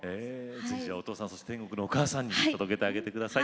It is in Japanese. ぜひじゃあお父さんそして天国のお母さんに届けてあげて下さい。